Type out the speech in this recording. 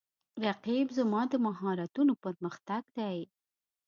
رقیب زما د مهارتونو پر مختګ دی